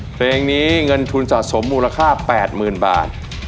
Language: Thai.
เพลงนี้เงินทุนสะสมมูลค่า๘๐๐๐บาท